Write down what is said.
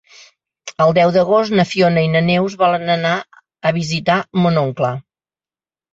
El deu d'agost na Fiona i na Neus volen anar a visitar mon oncle.